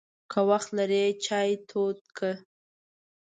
که وخت لرې، چای تود کړه!